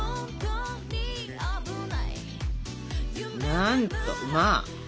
なんとまあ！